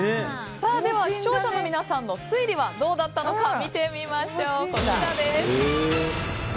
では、視聴者の皆さんの推理はどうだったのか見てみましょう。